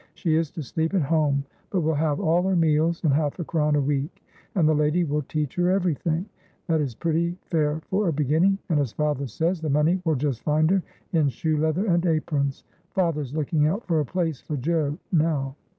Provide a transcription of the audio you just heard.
She is to sleep at home, but will have all her meals and half a crown a week, and the lady will teach her everything; that is pretty fair for a beginning, and as father says, the money will just find her in shoe leather and aprons. Father's looking out for a place for Joe now."